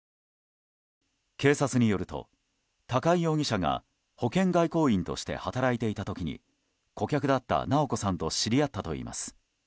警察によると、高井容疑者が保険外交員として働いていた時に顧客だった直子さんと知り合ったといいます。